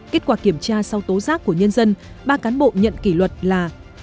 kết quả kiểm tra sau tố giác của nhân dân ba cán bộ nhận kỷ luật là